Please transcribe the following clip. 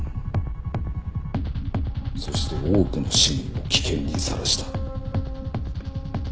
そして多くの市民を危険にさらした。